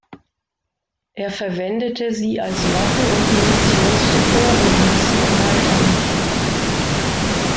Er verwendete sie als Waffen- und Munitionsdepot und ließ sie erweitern.